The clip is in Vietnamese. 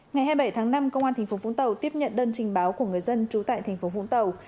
ngày hai mươi bảy tháng năm công an tp vũng tàu tiếp nhận đơn trình báo của người dân trú tại thành phố vũng tàu